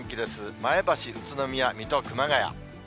前橋、宇都宮、水戸、熊谷。